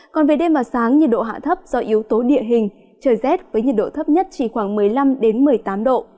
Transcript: còn về đêm và sáng nhiệt độ hạ thấp do yếu tố địa hình trời rét với nhiệt độ thấp nhất chỉ khoảng một mươi năm một mươi tám độ